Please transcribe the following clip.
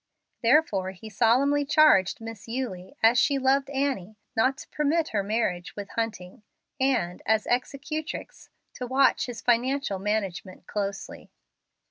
Therefore he solemnly charged Miss Eulie, as she loved Annie, not to permit her marriage with Hunting, and, as executrix, to watch his financial management closely.